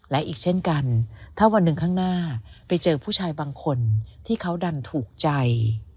และอีกเช่นกันถ้าวันหนึ่งข้างหน้าไปเจอผู้ชายบางคนที่เขาดันถูกใจ